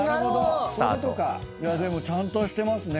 でもちゃんとしてますね